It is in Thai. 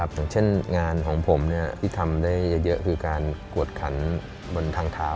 อย่างเช่นงานของผมที่ทำได้เยอะคือการกวดขันบนทางเท้า